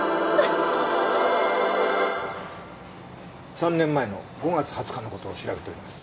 ３年前の５月２０日の事を調べております。